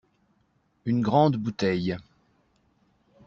Une grande bouteille.